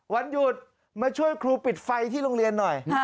วันหยุดมาช่วยครูปิดไฟที่โรงเรียนหน่อย